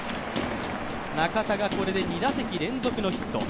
中田がこれで２打席連続のヒット。